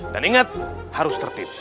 dan ingat harus tertip